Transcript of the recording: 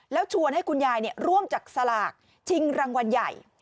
แล้วชวนให้คุณยายร่วมจับสลากชิงรางวัลใหญ่